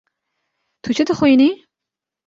Tu çi dixwînî?